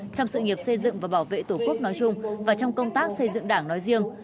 trong sự nghiệp xây dựng và bảo vệ tổ quốc nói chung và trong công tác xây dựng đảng nói riêng